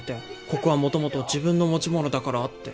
ここはもともと自分の持ち物だからって。